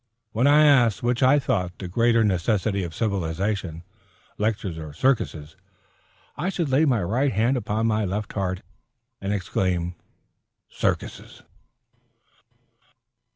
Were I asked which I thought the greater necessity of civilization, lectures or circuses, I should lay my right hand upon my left heart, and exclaim, "Circuses!"